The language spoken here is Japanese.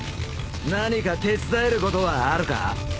何か手伝えることはあるか？